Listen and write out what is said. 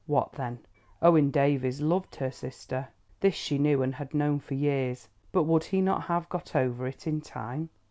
What then? Owen Davies loved her sister; this she knew and had known for years. But would he not have got over it in time?